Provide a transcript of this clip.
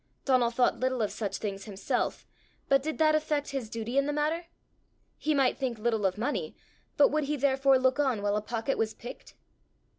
Donal thought little of such things himself, but did that affect his duty in the matter? He might think little of money, but would he therefore look on while a pocket was picked?